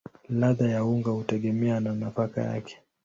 Ladha ya unga hutegemea na nafaka yake.